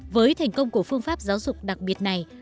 với thành công của phương pháp giáo dục đặc biệt này